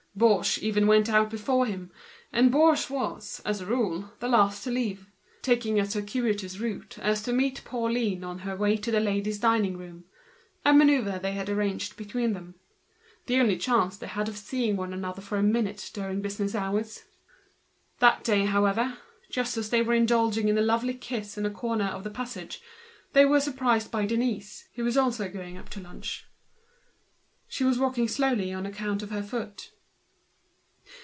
Baugé even went out before him, and Baugé was, as a rule, the last to leave, going a circuitous way so as to meet Pauline as she went to the ladies' dining room; a maneuver arranged between them—the only chance of seeing each other for a minute during business hours. But this time, just as they were indulging in a loving; kiss in a corner of the passage they were surprised by Denise, who was also going up to lunch. She was walking slowly oil account of her foot.